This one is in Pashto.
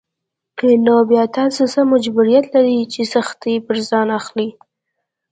نو بيا تاسو څه مجبوريت لرئ چې سختۍ پر ځان اخلئ.